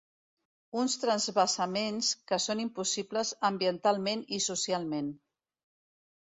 Uns transvasaments que són impossibles ambientalment i socialment.